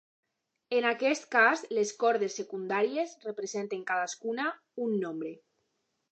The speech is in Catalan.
En aquest cas les cordes secundàries representen, cadascuna, un nombre.